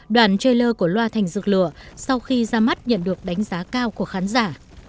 đoàn trailer của loa thành dược lửa sau khi ra mắt nhận được đánh giá cao của khán giả